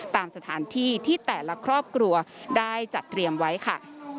ตามสถานที่ที่แต่ละครอบครัวได้จัดเตรียมไว้ค่ะ